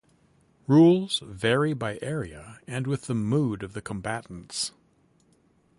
Rules vary by area and with the mood of the combatants.